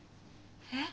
え！？